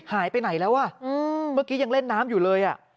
หายไปไหนแล้วอ่ะเมื่อกี้ยังเล่นน้ำอยู่เลยอ่ะ